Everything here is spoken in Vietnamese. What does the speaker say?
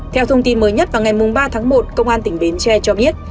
theo thông tin mới nhất vào ngày ba tháng một công an tỉnh bến tre cho biết